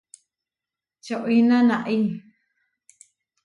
Čoʼiná náʼi.